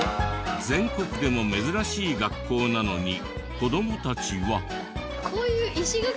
全国でも珍しい学校なのに子どもたちは。